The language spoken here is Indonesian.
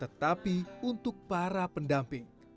tetapi untuk para pendamping